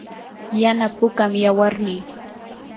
yana pukam yawarnii.